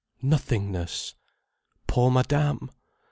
Nothingness! Poor Madame!